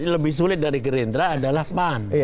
lebih sulit dari gerindra adalah pan